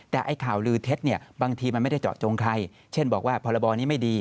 แต่ไอ้ข่าวลือเท็จเนี่ยบางทีมันไม่ได้เจาะจงใครเช่นบอกว่าพรบนี้ไม่ดี